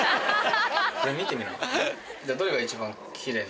これ見てみな。